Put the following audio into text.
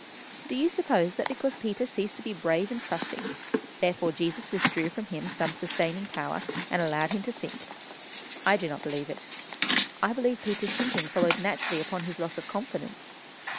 Do you suppose that because Peter ceased to be brave and trusting, therefore Jesus withdrew from him some sustaining power, and allowed him to sink? I do not believe it. I believe Peter's sinking followed naturally upon his loss of confidence.